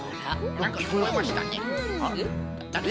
なんかきこえましたね。